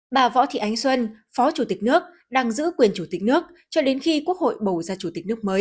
bà võ thị ánh xuân phó chủ tịch nước đang giữ quyền chủ tịch nước cho đến khi quốc hội bầu ra chủ tịch nước mới